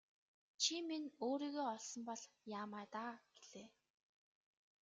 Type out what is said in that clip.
Чи минь өөрийгөө олсон бол яамай даа гэлээ.